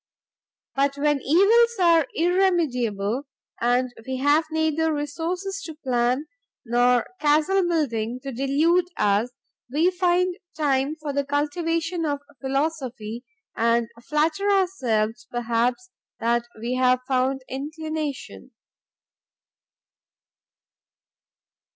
But when evils are irremediable, and we have neither resources to plan, nor castle building to delude us, we find time for the cultivation of philosophy, and flatter ourselves, perhaps, that we have found inclination!"